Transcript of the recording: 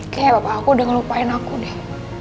kayak bapak aku udah ngelupain aku deh